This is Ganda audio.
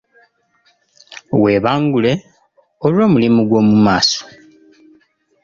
Weebangule olw'omulimu gw'omu maaso.